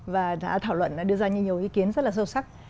và đã thảo luận đưa ra nhiều ý kiến rất là sâu sắc